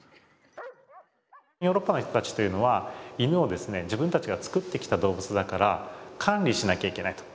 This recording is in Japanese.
ヨーロッパの人たちというのは犬を自分たちが作ってきた動物だから管理しなきゃいけないと。